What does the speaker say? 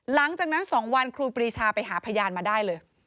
หลังจากนั้น๒วันครูปรีชาไปหาพยานมาได้เลย